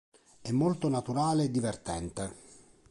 È molto naturale e divertente.